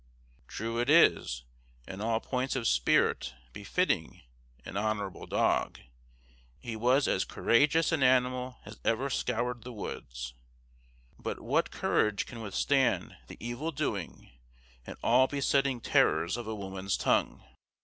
True it is, in all points of spirit befitting in honorable dog, he was as courageous an animal as ever scoured the woods but what courage can withstand the evil doing and all besetting terrors of a woman's tongue?